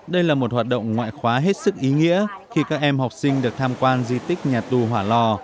đây là một hoạt động ngoại khóa hết sức ý nghĩa khi các em học sinh được tham quan di tích nhà tù hỏa lò